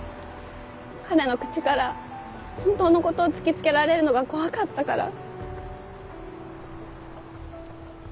彼の口から本当の事を突きつけられるのが怖かったから。